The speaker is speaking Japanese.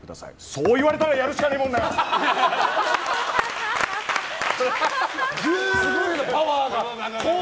そう言われたらやるしかねえもんだから！